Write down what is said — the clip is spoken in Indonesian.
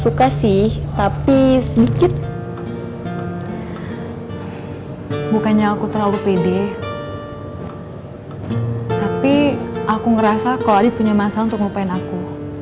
suka sih tapi sedikit bukannya aku terlalu pede tapi aku ngerasa kalau adi punya masalah untuk ngupain aku